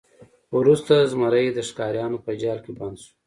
وروسته زمری د ښکاریانو په جال کې بند شو.